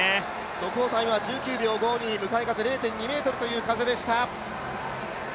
速報タイムは１９秒５２、向かい風０．２メートルという風でした。